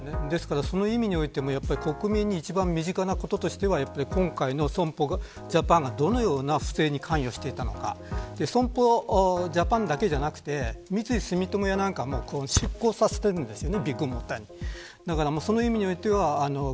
そういう意味においても国民に一番身近なこととしては今回損保ジャパンがどのような不正に関与していたのか損保ジャパンだけではなくて三井住友なんかも出向させているんですよね。